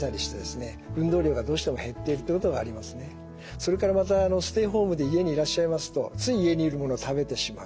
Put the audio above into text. それからまたステイホームで家にいらっしゃいますとつい家にものを食べてしまう。